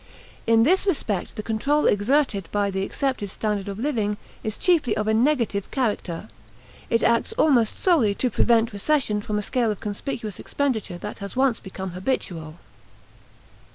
In this respect the control exerted by the accepted standard of living is chiefly of a negative character; it acts almost solely to prevent recession from a scale of conspicuous expenditure that has once become habitual.